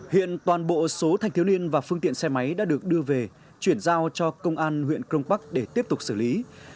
hiện toàn bộ số thanh thiếu niên và phương tiện xe máy đã được đưa về chuyển giao cho công an huyện cron park để tiếp tục xử lý